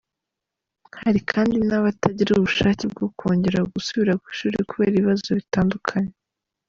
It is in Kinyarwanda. Hari kandi n’abatagira ubushake bwo kongera gusubira ku ishuri kubera ibibazo bitandukanye.